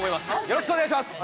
よろしくお願いします